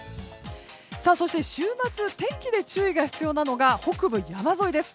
週末、天気で注意が必要なのが北部山沿いです。